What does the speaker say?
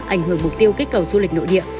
ảnh hưởng mục tiêu kích cầu du lịch nội địa